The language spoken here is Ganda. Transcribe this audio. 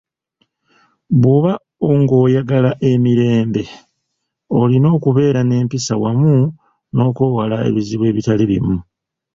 Bw'oba ng'oyagala emirembe, olina okubeera n'empisa wamu n'okwewala ebizibu ebitali bimu.